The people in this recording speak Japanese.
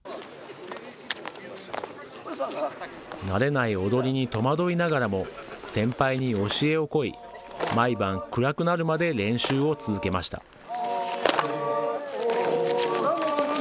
慣れない踊りに戸惑いながらも、先輩に教えを請い、毎晩、暗くなるまで練習を続けました。